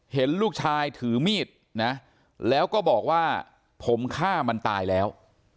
เห็นลูกชายถือมีดนะแล้วก็บอกว่าผมฆ่ามันตายแล้ว